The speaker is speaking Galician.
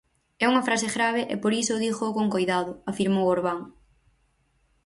É unha frase grave e por iso dígoo con coidado, afirmou Orbán.